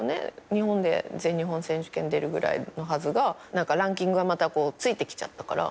日本で全日本選手権出るぐらいのはずがランキングがまたついてきちゃったから。